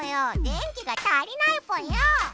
電気が足りないぽよ！